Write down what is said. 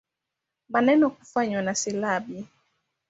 Maneno kufanywa na silabi.